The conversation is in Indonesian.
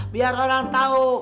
biar orang tau